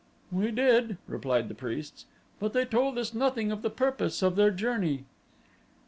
"We did," replied the priests, "but they told us nothing of the purpose of their journey."